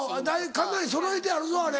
かなりそろえてあるぞあれ。